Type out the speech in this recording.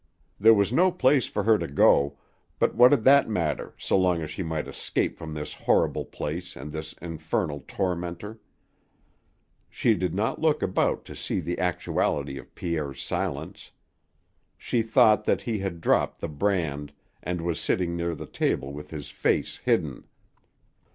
There was no place for her to go to, but what did that matter so long as she might escape from this horrible place and this infernal tormentor? She did not look about to see the actuality of Pierre's silence. She thought that he had dropped the brand and was sitting near the table with his face hidden.